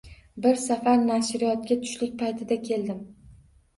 Bir safar nashriyotga tushlik paytida keldim.